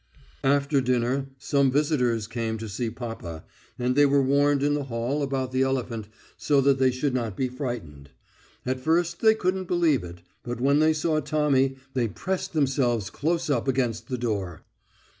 After dinner some visitors came to see papa, and they were warned in the hall about the elephant so that they should not be frightened. At first they couldn't believe it, but when they saw Tommy they pressed themselves close up against the door.